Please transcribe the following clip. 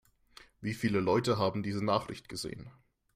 Wie viele Leute haben diese Nachricht gesehen?